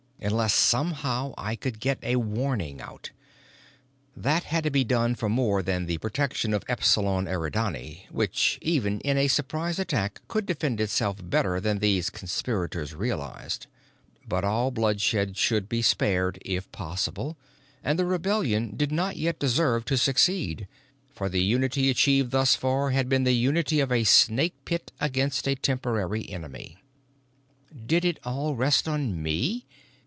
Unless somehow I could get a warning out. That had to be done for more than the protection of Epsilon Eridani, which, even in a surprise attack could defend itself better than these conspirators realized. But all bloodshed should be spared, if possible and the rebellion did not yet deserve to succeed, for the unity achieved thus far had been the unity of a snake pit against a temporary enemy. Did it all rest on me?